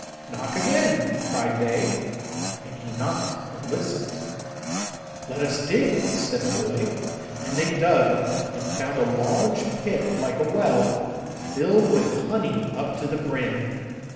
'Knock again!' cried they. And he knocked and listened. 'Let us dig,' said the boy. And they dug, and found a large pit like a well, filled with honey up to the brim.